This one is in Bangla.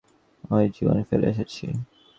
ওই জীবন ফেলে এসেছি।